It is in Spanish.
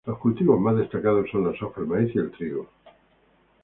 Los cultivos más destacados son la soja, el maíz y el trigo.